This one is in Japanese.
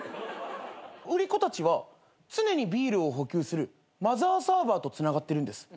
売り子たちが常にビールを補給するマザーサーバーとつながってるんです。